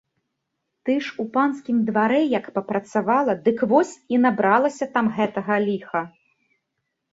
Ты ж у панскім дварэ як папрацавала, дык вось і набралася там гэтага ліха.